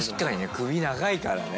首長いからね。